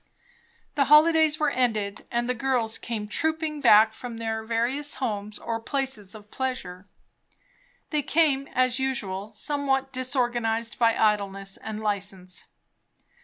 The holidays were ended, and the girls came trooping back from their various homes or places of pleasure. They came, as usual, somewhat disorganized by idleness and license.